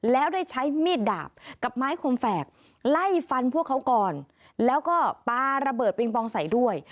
แล้วได้ใช้มีดดาบกับไม้คมแฝกไล่ฟันพวกเขาก่อนแล้วก็ปลาระเบิดปิงปองใส่ด้วย